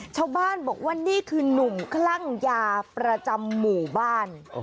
ชาวบ้านบอกว่านี่คือนุ่มคลั่งยาประจำหมู่บ้าน